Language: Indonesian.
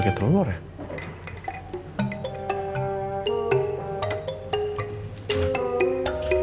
disambalnya telur ya